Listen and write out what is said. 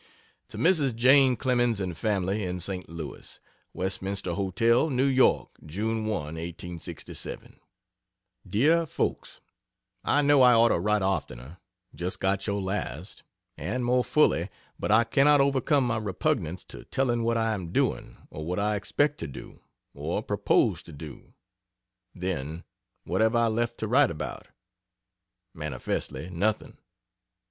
To Mrs. Jane Clemens and family, in St. Louis: WESTMINSTER HOTEL, NEW YORK, June 1, 1867. DEAR FOLKS, I know I ought to write oftener (just got your last,) and more fully, but I cannot overcome my repugnance to telling what I am doing or what I expect to do or propose to do. Then, what have I left to write about? Manifestly nothing.